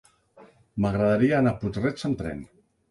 M'agradaria anar a Puig-reig amb tren.